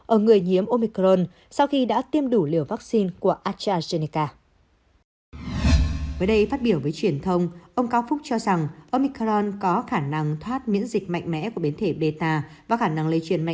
ông hanekom cho biết omicron có thể làm giảm bốn mươi một lần